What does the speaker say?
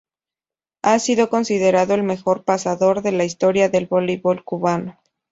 Ha sido considerado el mejor pasador de la historia del voleibol cubano.